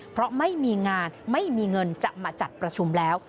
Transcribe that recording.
เพราะไม่มีงานไม่มีเงินจะมาจัดประชุมแล้ว